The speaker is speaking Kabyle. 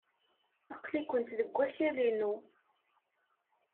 Aql-ikent deg wakal-inu.